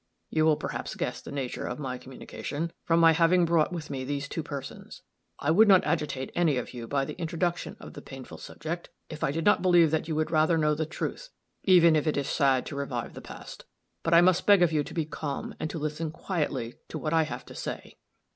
You will perhaps guess the nature of my communication, from my having brought with me these two persons. I would not agitate any of you by the introduction of the painful subject, if I did not believe that you would rather know the truth, even if it is sad to revive the past. But I must beg of you to be calm, and to listen quietly to what I have to say."